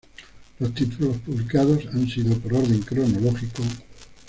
Los títulos publicados han sido, por orden cronológicoː